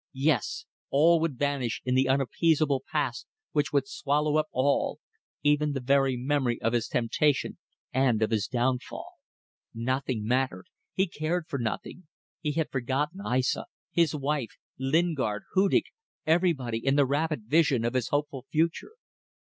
Yes! All would vanish in the unappeasable past which would swallow up all even the very memory of his temptation and of his downfall. Nothing mattered. He cared for nothing. He had forgotten Aissa, his wife, Lingard, Hudig everybody, in the rapid vision of his hopeful future.